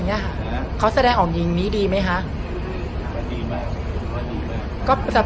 นี้ฮะเขาแสดงออกอย่างนี้ดีไหมฮะดีมากดีมากดีมาก